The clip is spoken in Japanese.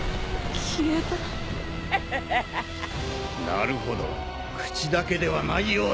なるほど口だけではないようだな！